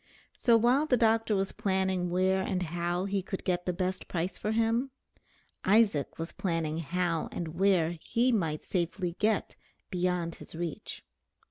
So while the doctor was planning where and how he could get the best price for him, Isaac was planning how and where he might safely get beyond his reach.